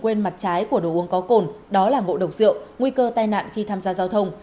quên mặt trái của đồ uống có cồn đó là ngộ độc rượu nguy cơ tai nạn khi tham gia giao thông